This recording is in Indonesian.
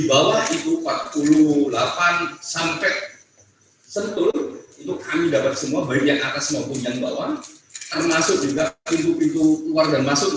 dan setelah sampai seratus itu kami dapat semua baik yang atas maupun yang bawah termasuk juga pintu pintu keluar dan masuk